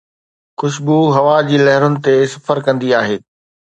خوشبو هوا جي لهرن تي سفر ڪندي آهي